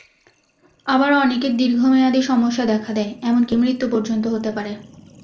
আবার অনেকের দীর্ঘমেয়াদি সমস্যা দেখা দেয়—এমনকি মৃত্যু পর্যন্ত হতে পারে।